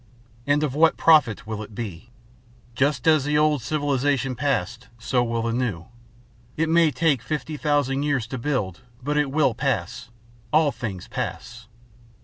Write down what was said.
And of what profit will it be? Just as the old civilization passed, so will the new. It may take fifty thousand years to build, but it will pass. All things pass.